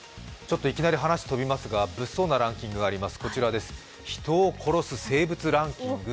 いきなり話、飛びますがぶっそうなランキングがあります。